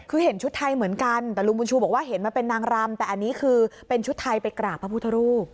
คือเห็นชุดไทยเหมือนกันแต่ลุงบุญชูบอกว่าเห็นมาเป็นนางรำแต่อันนี้คือเป็นชุดไทยไปกราบพระพุทธรูป